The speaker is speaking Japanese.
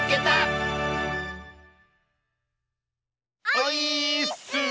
オイーッス！